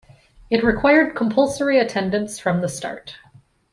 It required compulsory attendance from the start.